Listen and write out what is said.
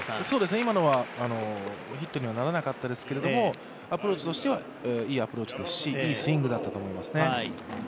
今のはヒットにはならなかったですけれども、アプローチとしてはいいアプローチでしたしいいスイングだったと思います。